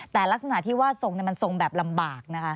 แต่ลักษณะที่ว่าทรงมันทรงแบบลำบากนะคะ